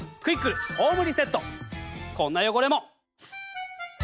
こんな汚れも。